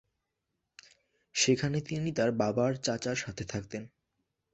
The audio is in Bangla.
সেখানে তিনি তার বাবার চাচার সাথে থাকতেন।